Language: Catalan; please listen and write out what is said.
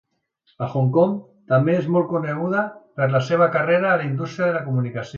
A Hong Kong també és molt coneguda per la seva carrera a la indústria de la comunicació.